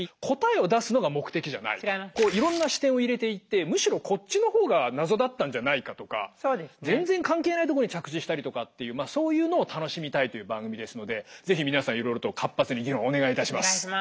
いろんな視点を入れていってむしろこっちの方が謎だったんじゃないかとか全然関係ないところに着地したりとかっていうそういうのを楽しみたいという番組ですので是非皆さんいろいろと活発に議論をお願いいたします。